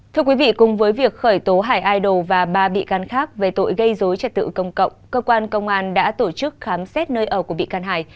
thưa quý vị cùng với việc khởi tố hải idol và ba bị can khác về tội gây dối trật tự công cộng cơ quan công an đã tổ chức khám xét nơi ở của bị can hải